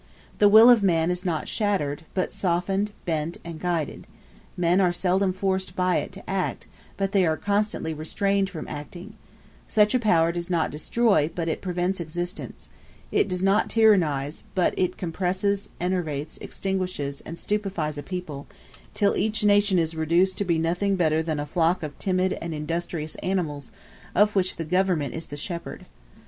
The will of man is not shattered, but softened, bent, and guided: men are seldom forced by it to act, but they are constantly restrained from acting: such a power does not destroy, but it prevents existence; it does not tyrannize, but it compresses, enervates, extinguishes, and stupefies a people, till each nation is reduced to be nothing better than a flock of timid and industrious animals, of which the government is the shepherd.